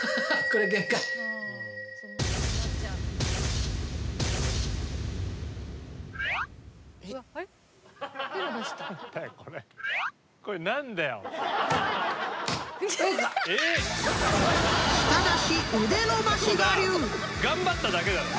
取れた！頑張っただけだろ。